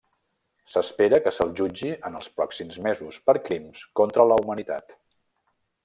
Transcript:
S'espera que se'l jutgi en els pròxims mesos per crims contra la humanitat.